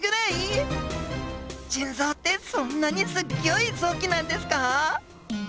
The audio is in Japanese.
腎臓ってそんなにすっギョい臓器なんですか？